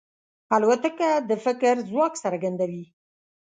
الوتکه د فکر ځواک څرګندوي.